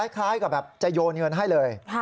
คล้ายกับแบบจะโยนเงินให้เลย